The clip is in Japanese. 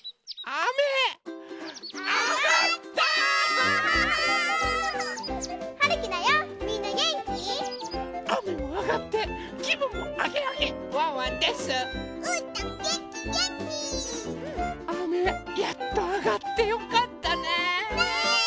あめやっとあがってよかったね。ね！